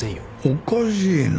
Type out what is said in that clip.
おかしいな。